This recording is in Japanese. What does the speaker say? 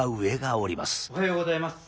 おはようございます。